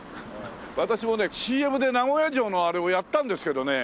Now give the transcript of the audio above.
私もねＣＭで名古屋城のあれをやったんですけどね